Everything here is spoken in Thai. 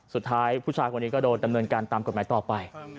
สุดท้ายผู้ชายคนนี้ก็โดนดำเนินการตามกฎหมายต่อไป